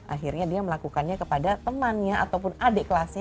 akhirnya dia melakukannya kepada temannya ataupun adik kelasnya